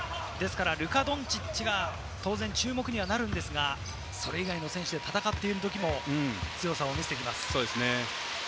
ルカ・ドンチッチが当然注目になるのですが、それ以外の選手で戦っているときも、強さを見せてきます。